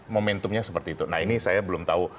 momentumnya seperti itu nah ini saya belum tahu